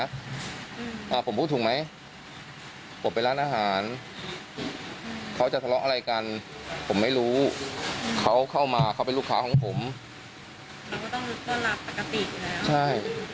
เขามานั่งกินร้านผมผมก็ต้องต้อนรับเขา